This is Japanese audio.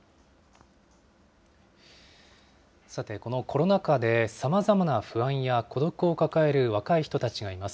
さて、このコロナ禍でさまざまな不安や孤独を抱える若い人たちがいます。